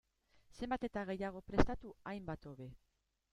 Zenbat eta gehiago prestatu, hainbat hobe.